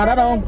a đắt không